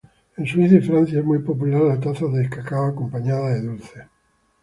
En Suiza y Francia es muy popular la taza de cacao acompañada de dulces.